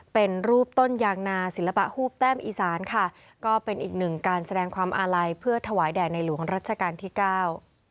เป็นรูปต้นยางนาศิลปะฮูบแต้มอีสานค่ะก็เป็นอีกหนึ่งการแสดงความอาลัยเพื่อถวายแด่ในหลวงรัชกาลที่เก้า